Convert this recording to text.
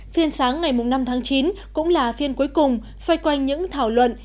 phiên sáng ngày năm tháng chín cũng là phiên cuối cùng xoay quanh những thảo luận